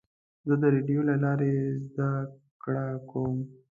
زه د راډیو له لارې زده کړه کوم.